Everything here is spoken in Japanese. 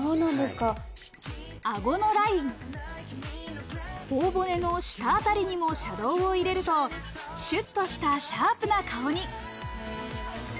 顎のライン、頬骨の下あたりにもシャドーを入れるとシュっとしたシャープな顔に。